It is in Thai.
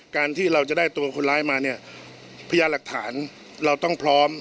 การที่เราจะได้ตัวคนร้ายมาเนี่ยพยานหลักฐานเราต้องพร้อม